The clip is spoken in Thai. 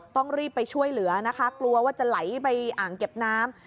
ต้องรีบไปช่วยเหลือนะคะกลัวว่าจะไหลไปอ่างเก็บน้ำ